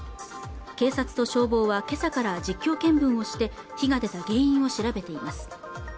警察と消防はけさから実況見分をして火が出た原因を調べています